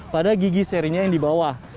pada gigi serinya yang di bawah